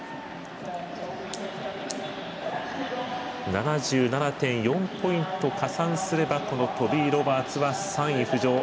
７７．４ポイント加算すればトビー・ロバーツは３位浮上。